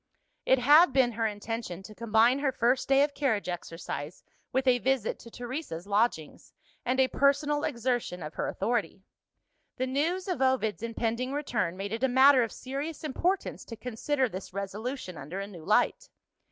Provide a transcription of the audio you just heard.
It had been her intention to combine her first day of carriage exercise with a visit to Teresa's lodgings, and a personal exertion of her authority. The news of Ovid's impending return made it a matter of serious importance to consider this resolution under a new light.